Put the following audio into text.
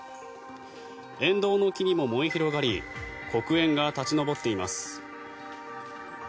沿道の木にも燃え広がり黒煙が立ち上っています。